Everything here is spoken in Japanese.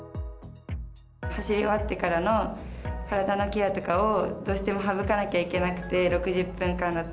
走り終わってからの体のケアとかをどうしても省かなきゃいけなくて６０分間だと。